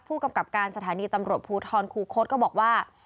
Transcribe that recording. ผู้กำกับการสถานีตำรวจภูทรคูคศก็บอกว่า